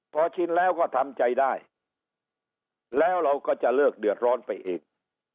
พอชินแล้วก็ทำใจได้แล้วเราก็จะเลิกเดือดร้อนไปอีก